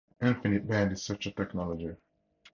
InfiniBand is such a technology.